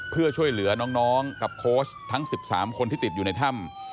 เพื่อช่วยเหลือน้องกับโค้ชทั้ง๑๓คนที่ติดอยู่ในถ้ำ